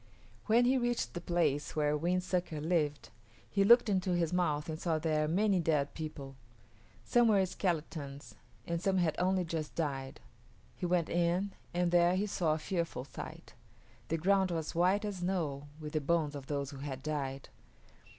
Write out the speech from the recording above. When he reached the place where Wind Sucker lived, he looked into his mouth and saw there many dead people. Some were skeletons and some had only just died. He went in, and there he saw a fearful sight. The ground was white as snow with the bones of those who had died.